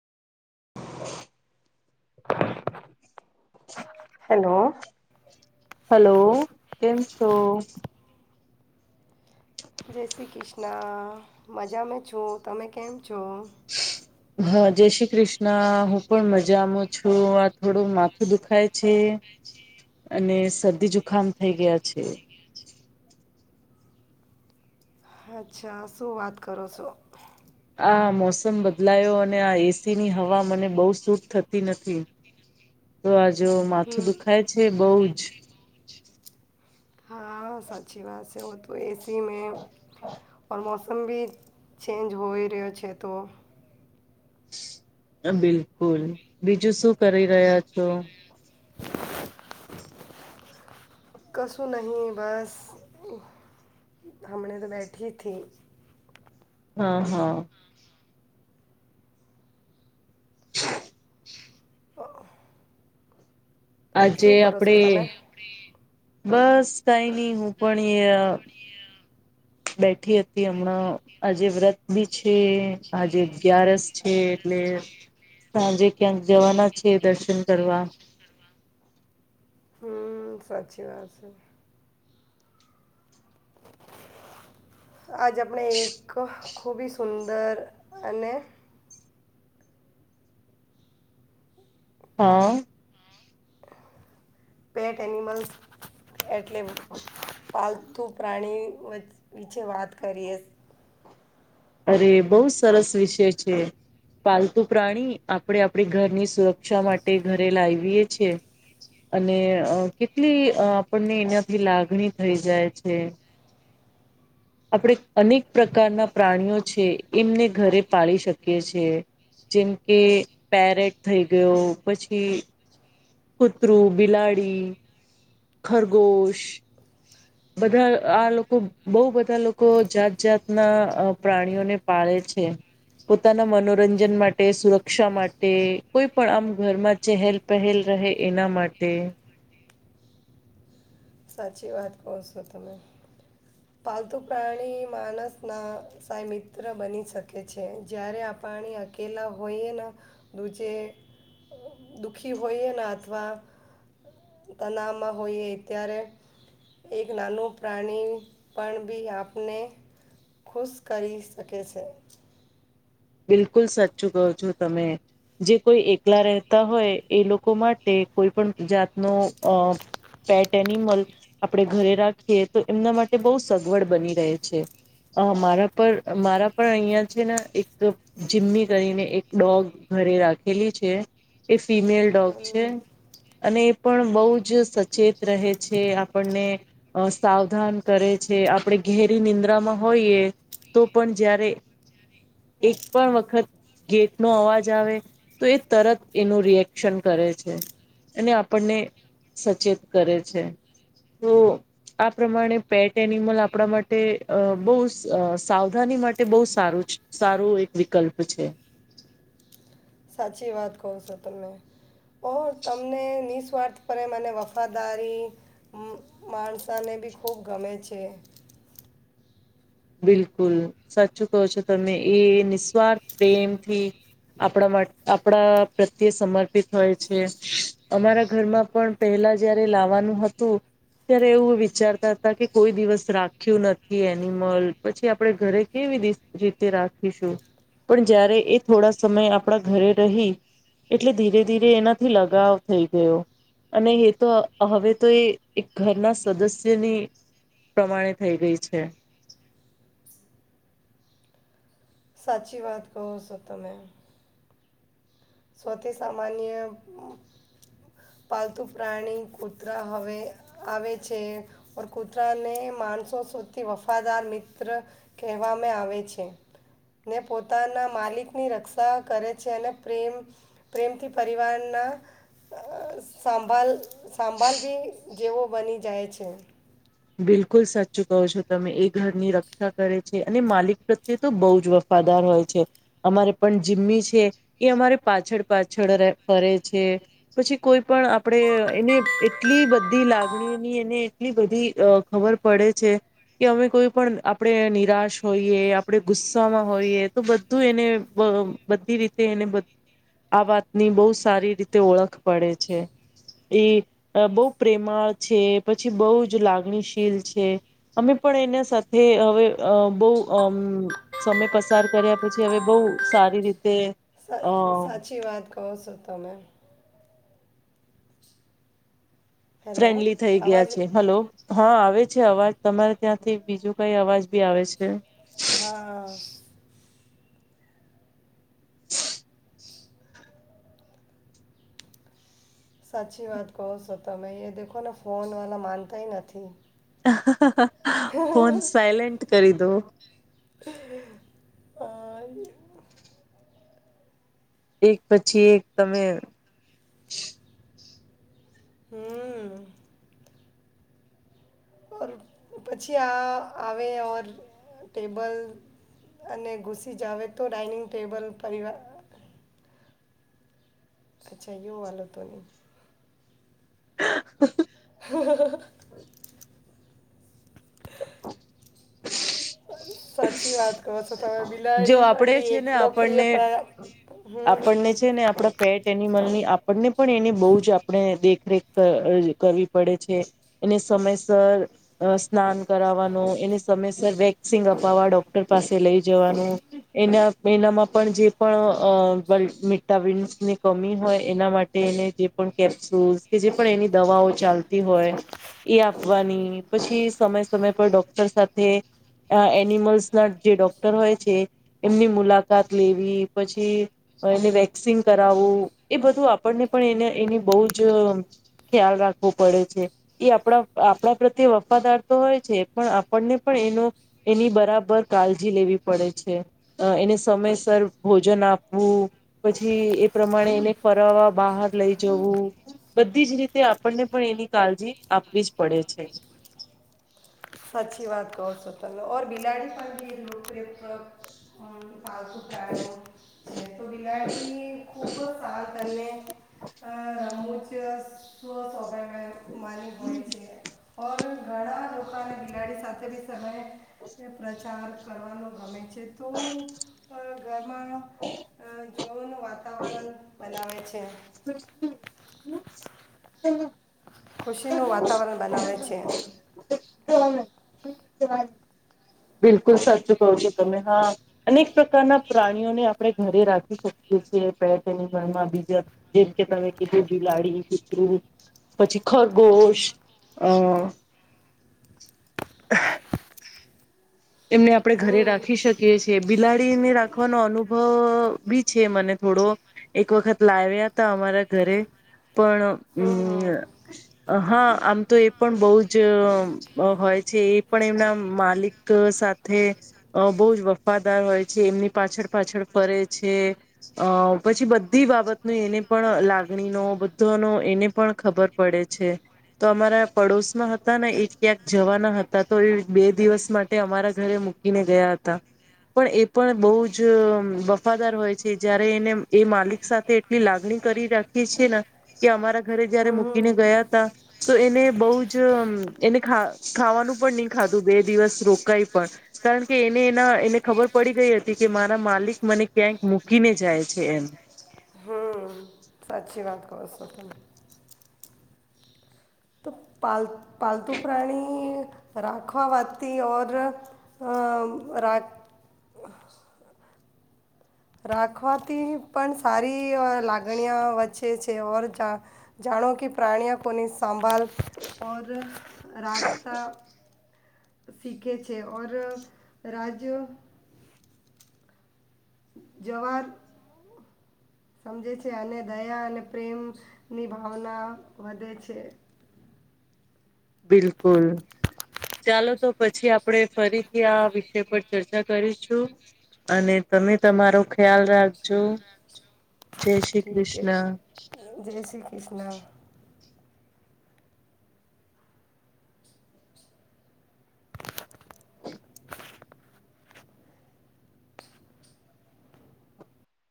Hello hello કેમ છો જય શ્રી કૃષ્ણ મજામાં છું તમે કેમ છો હા જય શ્રી કૃષ્ણ ના હું પણ મજામ છું આ થોડું માથું દુખાય છે અને શદી જુખામ થઈ ગયા છે અચ્છા શું વાત કરો છો આ મોસમ બદલાયો અને આ એસી ની હવા મને બહુ સૂટ થતી નથી તો આ જો માથું હમ. દુખાય છે બહ જ હા સાચી વાત છે હો તો એસી મે મોસ મલ બી ચેન્જ હોય રહ્યો છે તો બિલકુલ બીજું શું કરી રહ્યા છો. કશું નહીં બસ હમને તો બેઠીથી હા હા આજે શું કરો છો આપડે તમે? બસ થઈ નહી હું પણ એ બેઠી હતી હમણાં આજે વ્રત બી છે આજે અગ્યારસ છે એટલે સાંજે ક્યાંક જવાના છે દર્શન કરવા હમ સાચી વાત છે આજ આપણે એક ખૂબી સુંદર અને હા પેટ એનિમલ્સ એટલે પાલતુ પ્રાણી વિચે વાત કરીએ અરે બહુ સરસ વિષય છે. પાલતુ પ્રાણી આપણે આપણી ઘરની સુરક્ષા માટે ઘરે લાવીએ છીએ. અને કેટલી આપણને એનાથી લાગણી થઈ જાય છે. આપણે અનેક પ્રકારના પ્રાણીઓ છે એમને ઘરે પાળી શકીએીએ જેમ કે પેરેડ થઈ ગયો પછી કુતરું બિલાડી ખરગોશ બધા આ લોકો બહુ બધા લોકો જાત જાતના પ્રાણીઓને પાળે અ્ પોતાના મનોરંજન માટે સુરક્ષા માટે કોઈ પણ આમ ઘરમાં ચહેલ પહેલ રહે એના માટે સાચી વાત કહ છો તમે પાલતુ પ્રાણી માણસના સા મિત્ર બની શકે છે જ્યારે આપ પાણી અકેલા હોઈએ દૂજે દુઃખી હોઈએ ને અથવા તનાવમાં હોઈએ ત્યારે એક નાનું પ્રાણી પણ બી આપને ખુશ કરી શકે છે બિલકુલ સાચું કો છો તમે જે કોઈ એકલા રહેતા હોય એ લોકો માટે કોઈ પણ જાતનો અ પેટ એનિમલ આપણે ઘરે રાખીએ તો એમના માટે બહુ સગવડ બની રહે છે. હ મારા પર મારા પણ અહિયાં છે ને એક જીમ્મી કરીને એક ડોગ ઘરે રાખેલી છે. એ ફિમેલ ડોગ છે. હમ અને એ પણ બહુ જ સચેત રહે છે, આપણને સાવધાન કરે છે. આપણે ઘેરી નિંદ્રામાં હોઈએ તો પણ જયારે જ્યારે એક પણ વખત ગેટ નો અવાજ આવે તો એ તરત એનું રિએક્શન કરે છે. અને આપણને સચેત કરે છે. તો [inaudible] આ પ્રમાણે પેટ એનિમલ આપણા માટે અ બહુ સ સાવધાની માટે બહુ સારું છ સારો એક વિકલ્પ છે. સાચી વાત કો છો તમે ઓર તમને નિસ્વાર્થ પ્રેમ અને વફાદારી મ માણસાને બી ખૂબ ગમે છે. બિલકુલ સાચું કહો છો તમે એ નિસ્વાર્થ પ્રેમથી આપણા માટે આપણા પ્રત્યે સમર્પિત હોય છે અમારા ઘરમાં પણ પહેલા પલા જયારે લાવાનું હતું. ત્યારે એવું વિચારતા હતા કે કોઈ દિવસ રાખ્યું નથી એની મધ પછી આપડે ઘરે કેવી રી રીતે રાખીશું. પણ જયારે એ થોડા સમય આપણા ઘરે રહી એટલે ધીરે ધીરે એનાથી લગાવ થઈ ગયો. અને એ તો હવે તો એ એક ઘરના સદસ્યની પ્રમાણે થઈ ગઈ છે. સાચી વાત કહો છો તમે સૌથી સામાન્ય પાલતું પ્રાણી કૂતરા હવે આવે છે ઓર કૂતરાને માણસો સૌધી વફાદાર મિત્ર કહેવામાં આવે છે. ને પોતાના માલિક ની રક્ષા કરે છે અને પ્રેમ પ્રેમથી પરિવારના સંભાલ સંભાલ બી જેવો બની જાય છે. બિલકુલ સચ્ચ કહો છો તમે એ ઘરની રક્ષા કરે છે અને માલિક પ્રત્યે તો બહુ જ વફાદાર હોય છે અમારે પણ જીમ્મી છે એ અમારે પાછળ પાછળ ર ફરે છે. પછી કોઈ પણ આપણેે એને એટલી બધી લાગણીની એને એટલી બધી અ ખબર પડે છે. કે અમે કોઈ પણ આપણેે નિરાશ હોઈએ આપણે ગુસ્સમાં હોઈએ તો બધું એને બધી રીતે એને આ વાતની બહુ સારી રીતે ઓળખ પડે છે. એ બહુ પ્રેમાળ છે પછી બહુ જ લાગે મી શીલ છે અમે પણ એના સાથે હવે બહુ અ સમય પસ પસાર કર્યા પછી હવે બહુ સારી રીતે સા- અ સાચી વાત કહો સો તમેં હેલો ફ્રેન્ડલી થઈ ગયા અવાજ છે હલો હા આવે છે અવાજ તમારે ત્યાંથી બીજું કઈ અવાજ બી આવે છે. હા સાચી વાત કહો છો તમે એ દેખો ને ફોન વાલા માનતાય નથી. હ હ હ ફોન સાયલેન્ટ કરી દો અ, એક પછી એક તમે હમ પછી આ આવે ઓર ટેબલ અને ઘુસી જાવ તો ડાઇનિંગ ટેબલ પરિવા અચ્છા યો વાલો તો ની હ [unintelligible] હા [unintelligible] [inaudible] સાચી વાત કહો છો તમે જો બિલાડી પણ આપણેે બી છે એક ને લોકપ્રિય આપણને હમ આપણને હમ છે ને આપણા પેટ એનિમલ ની આપણને પણ એને બહુ જ આપણે દેખરેખ કરવી પડે છે એને સમયસર સ્નાન કરવાનું એને સમયસર વેક્ ંગ અપાવવા ડોક્ટર પાસે લઈ જવાનું એના એનામાં પણ જે પણ વિટામિન્સ ની કમી હોય એના માટે એને જે પણ કેપ્સુલ્સ કે જે પણ એની દવાઓ ચા હોય એ આપવાની પછી સમય સમય પર ડોક્ટર સાથે એનિમલ્સ ના જે ડોક્ટર હોય છે એમની મુલાકાત લેવી પછી એને વેક્સિંગ કરાવવું એ બધું આપણને પણ એને એની બહુ જ ખ્યાલ રાખવો પડે છે એ આપણા આપણા પ્રત્યે વફાદાર તો હોય છે પણ આપણને પણ એનું એની બરાબર કાળજી લેવી પડે છે એને સમયસર ભોજન આપવું પછી એ પ્રમાણે એને ફરવા બહાર લઈ જવું બધી જ રીતે આપણને પણ એની કાળજી આપવી જ પડે છે. સાચી વાત તો સચ ઓર બિલાડી પર ભી ર પલ્તુ પ્રાણી બિલાડી ખુબ સારુ અને અ, હ [unintelligible] રમૂજ સ્વ સ્વભાવ્ માની ગહોય્ છે ઘણા લોકો બિલાડી સાથે બી સમય પ્રચાર કરવાનું ગમે છે તો ઘરમાં જોવોનું વાતાવરણ બનાવે છે. કૃષ્ણ [inaudible] હમ [inaudible] ખુશીનું વાતાવરણ બનાવે છે. બિલકુલ સાચું કું છો તમમે હા અનેક પ્રકારના પ્રાણીઓને આપણે ઘરે રાખી શકીએ પેટની મમાં બીજા જેમકે તમે કીધ બિલાડી કૂતરું પછી ખરગોશ અ [unintelligible] એમને આપણે ઘરે હમ. રાખી શકીએ છીએ બિલાડીને રાખવાનો અનુભવ બી છે મને થોડો એક વખત લાવ્યા હતા અમારા ઘરે પણ હમ હા આમ તો એ પણ બહુ જ હોય એ પણ એમના માલિક સાથે બોજ વફાદાર હોય છે એમની પાછળ પાછળ ફરે છે. અ પછી બધી બાબત ન એને પણ લાગણીનો બધોનો એને પણ ખબર પડે તો અમારા પડોશમાં હતા ને એ ક્યાંક જવાના હતા તો બે દિવસ માટે તે અમારા ઘરે મૂકીને ગયા હતા. પણ એ પણ બહુ જ વફાદાર હોય છે જયારે એને એ માલિક સાથે એટલી લાગણી કરી રાખીએ છી કે અમારા ઘરે હમ જયારે હમ મૂકીને ગયા હતા તો એને બહ જ એનિખાવાનું પણ નહી ખાધું બે દિવસ રો કઈ પણ કારણ કે એને એના એને ખબર પડી ગઈ હતી કે મારા માલિક મને ક્યાંક મૂકીને જાય જાય છે એમ હમ સાચી વાત ક છો તમે પાલુ પાલતુ પ્રાણી રાખવા વાતી ઓર રાખવાથી પણ સારી લાગણીઓ વચ્ચે છે ઓર જાણ પ્રાણઓ કોનિ સંભળ ઓર રાખતા સીખે છે ઓર રાજ્ય જવાર સમજે છે અને દયા અને પ્રેમ ની ભાવના વધે છે. બિલકુલ. ચાલો તો પછી આપડે ફરીથી આ વિષય પર ચર્ચા કરીશું. અને તમે તમારો ખ્યાલ રાખજો. જય શ્રી ઠીક છે કૃષ્ણ જય શ્રી કૃષ્ણ.